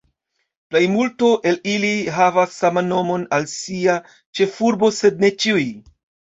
Plejmulto el ili havas saman nomon al sia ĉefurbo, sed ne ĉiuj.